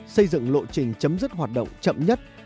xây dựng lộ trình chấm dứt hoạt động chậm nhất